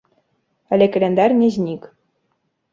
Але каляндар не знік.